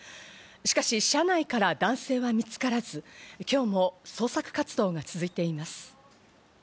しかし車内から男性は見つからず、今日も捜索活動が続いています。